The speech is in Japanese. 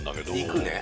肉ね。